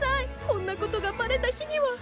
こんなことがバレた日には！